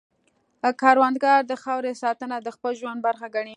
کروندګر د خاورې ساتنه د خپل ژوند برخه ګڼي